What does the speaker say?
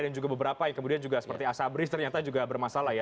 dan juga beberapa yang kemudian seperti asabris ternyata juga bermasalah ya